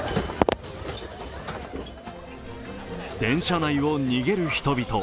電車内を逃げる人々。